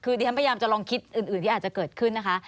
คือดิฉันพยายามจะลองคิดอื่นที่อาจจะเกิดขึ้นนะคะ